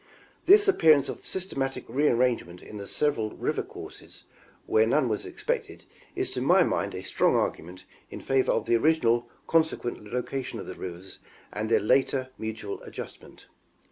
This appearance of systematic re arrangement in the several riVer courses where none was expected is to my mind a strong argument in favor of the originally consequent location of the rivers and their later mutual adjustment.